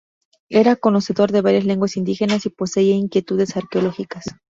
Era conocedor de varias leguas indígenas y poseía inquietudes arqueológicas.